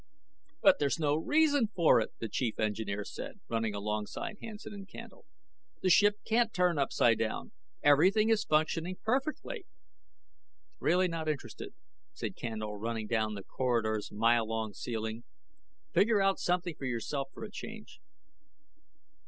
"But there's no reason for it!" the chief engineer said, running alongside Hansen and Candle. "The ship can't turn upsidedown. Everything is functioning perfectly!" "Really not interested," said Candle, running down the corridor's mile long ceiling. "Figure something out for yourself for a change."